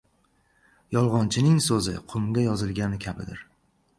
• Yolg‘onchining so‘zi qumga yozilgan kabidir.